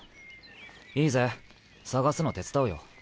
いいぜ探すの手伝うよ。